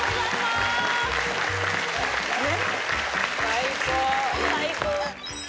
最高！